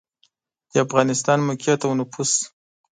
د افغانستان موقعیت او نفوس